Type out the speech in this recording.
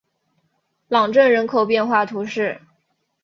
朗镇人口变化图示